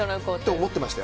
思ってましたよ。